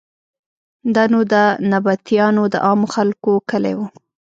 دا نو د نبطیانو د عامو خلکو کلی و.